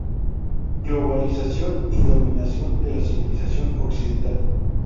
Globalización y dominación de la civilización occidental.